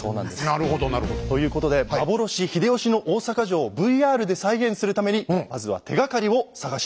なるほどなるほど。ということで幻・秀吉の大坂城をＶＲで再現するためにまずは手がかりを探しに行きました。